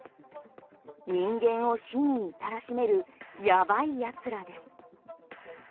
人間を死に至らしめるやばいやつらです。